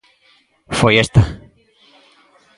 Foi esta.